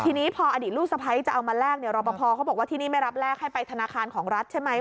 ทีนี้พออดีตลูกสะพ้ายจะเอามาแลกเนี่ยรอปภเขาบอกว่าที่นี่ไม่รับแรกให้ไปธนาคารของรัฐใช่ไหม